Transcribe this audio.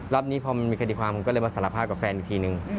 รอบนี้พอมันมีคดีความผมก็เลยมาสารภาพกับแฟนอีกทีนึง